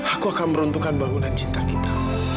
aku akan meruntuhkan bangunan cinta kita